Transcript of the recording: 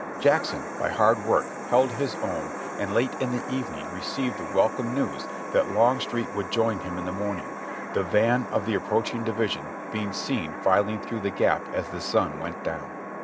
Jackson by hard work held his own and late in the evening received the welcome news that Longstreet would join him in the morning, the van of the ap proaching division being seen filing through the gap as the sun went down.